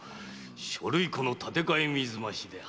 〔書類庫の立て替え水増しで八十両。